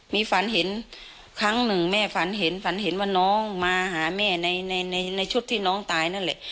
มีฝันเห็นครั้งหนึ่งแม่ฝันเห็นฝันเห็นว่าน้องมาหาแม่ในในชุดที่น้องตายนั่นแหละ